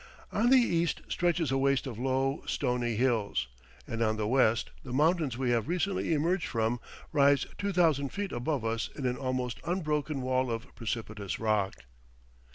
On the east stretches a waste of low, stony hills, and on the west, the mountains we have recently emerged from rise two thousand feet above us in an almost unbroken wall of precipitous rock.